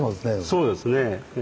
そうですね。